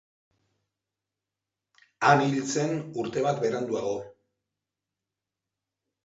Han hil zen urte bat beranduago.